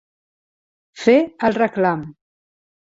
Fer el reclam.